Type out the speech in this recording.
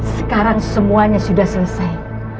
sekarang semuanya sudah selesai